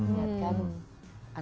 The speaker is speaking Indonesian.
seperti misalnya ada yang melihatkan